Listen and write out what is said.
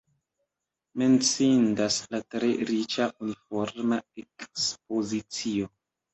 Menciindas la tre riĉa uniforma ekspozicio.